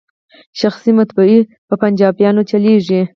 شخصي مطبعې په پنجابیانو چلیږي.